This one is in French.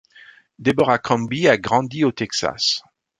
Deborah Crombie a grandi au Texas.